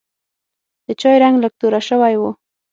د چای رنګ لږ توره شوی و.